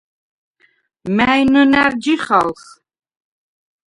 მა̈ჲ ნჷნა̈რ ჯიხალხ?